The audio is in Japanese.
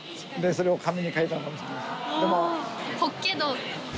それを紙に書いたのかもしれないです。